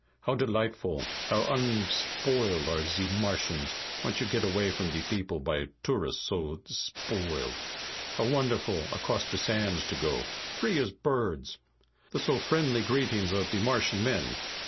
How delightful, how unsboiled, are ze Martians, once you get away from de people by tourists so sboiled! How wonderful, across the sands to go, free as birds! The so friendly greetings of de Martian men.